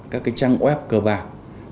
các trang web cờ bạc